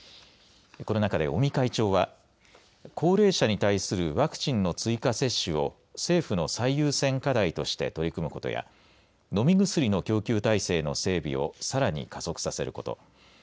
この中で尾身会長は高齢者に対するワクチンの追加接種を政府の最優先課題として取り込むことや飲み薬の供給体制の整備をさらに加速させること。